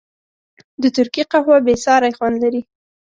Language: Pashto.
د ترکي قهوه بېساری خوند لري.